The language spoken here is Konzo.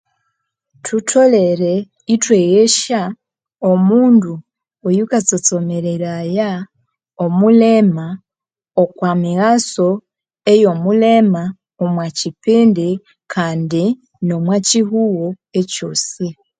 Thutholere ithwaghesya omundu oyu katsotsomereraya omulema okwa mighaso oyo mulema omu kipindi kandi nomu kihugho ekyoosi